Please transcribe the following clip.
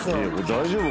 大丈夫？